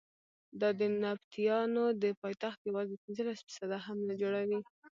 دا د نبطیانو د پایتخت یوازې پنځلس فیصده هم نه جوړوي.